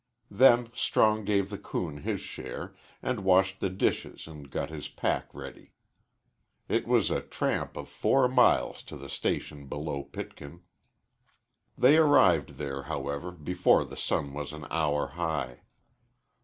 Then Strong gave the coon his share, and washed the dishes and got his pack ready. It was a tramp of four miles to the station below Pitkin. They arrived there, however, before the sun was an hour high.